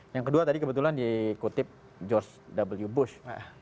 yang kedua tadi kebetulan dikutip george w bush